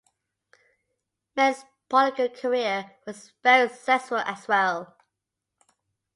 Manning's political career was very successful as well.